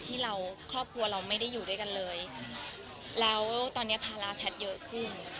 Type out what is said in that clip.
ที่เราครอบครัวเราไม่ได้อยู่ด้วยกันเลยแล้วตอนนี้ภาระแพทย์เยอะขึ้น